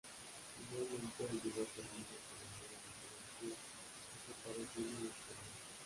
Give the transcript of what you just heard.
Finalmente, el vídeo termina con la nova de color azul desapareciendo en la oscuridad.